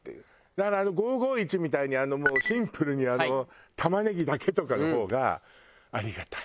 だから５５１みたいにシンプルにたまねぎだけとかの方がありがたい。